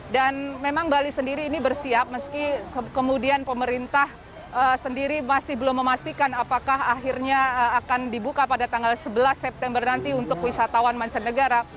dan memang bali sendiri ini bersiap meski kemudian pemerintah sendiri masih belum memastikan apakah akhirnya akan dibuka pada tanggal sebelas september nanti untuk wisatawan mancanegara